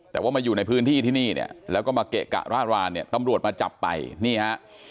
แต่ว่ามาอยู่ในพื้นที่ที่นี่เนี่ยแล้วก็มาเกะกะร่ารานเนี่ยตำรวจมาจับไปนี่ฮะ